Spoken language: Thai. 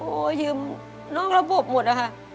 โอ้ยืมน้องระบบหมดนะคะ